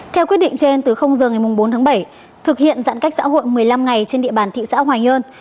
theo quyết định trên từ giờ ngày bốn tháng bảy thực hiện giãn cách xã hội một mươi năm ngày trên địa bàn thị xã hoài nhơn